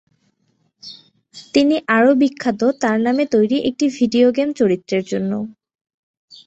তিনি আরো বিখ্যাত তার নামে তৈরি একটি ভিডিও গেম চরিত্রের জন্য।